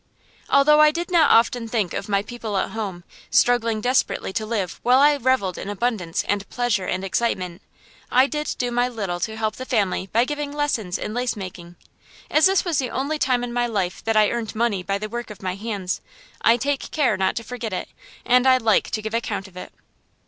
Although I did not often think of my people at home, struggling desperately to live while I revelled in abundance and pleasure and excitement, I did do my little to help the family by giving lessons in lacemaking. As this was the only time in my life that I earned money by the work of my hands, I take care not to forget it and I like to give an account of it.